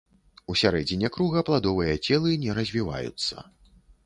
У сярэдзіне круга пладовыя целы не развіваюцца.